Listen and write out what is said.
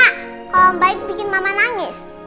kalau baik bikin mama nangis